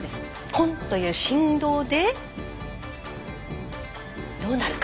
コンという振動でどうなるか？